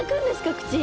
口！